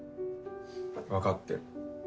わかってる。